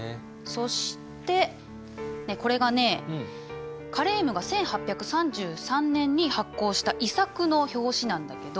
そしてこれがねカレームが１８３３年に発行した遺作の表紙なんだけど。